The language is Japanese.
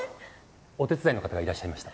お手伝いの方がいらっしゃいました